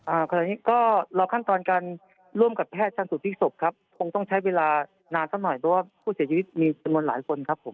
ขณะนี้ก็รอขั้นตอนการร่วมกับแพทย์ชันสูตรพลิกศพครับคงต้องใช้เวลานานสักหน่อยเพราะว่าผู้เสียชีวิตมีจำนวนหลายคนครับผม